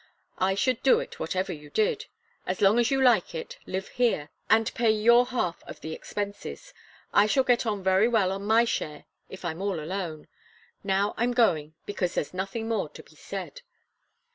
I should do it, whatever you did. As long as you like, live here, and pay your half of the expenses. I shall get on very well on my share if I'm all alone. Now I'm going, because there's nothing more to be said."